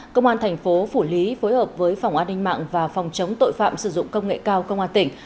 công an thành phố phủ lý phối hợp với phòng an ninh mạng và phòng chống tội phạm sử dụng công nghệ cao công an tỉnh